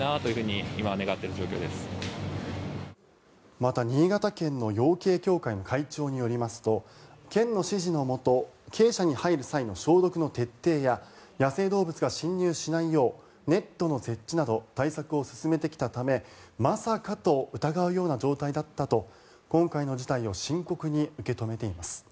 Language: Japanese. また、新潟県の養鶏協会の会長によりますと県の指示のもと鶏舎に入る際の消毒の徹底や野生動物が侵入しないようネットの設置など対策を進めてきたためまさかと疑うような状態だったと今回の事態を深刻に受け止めています。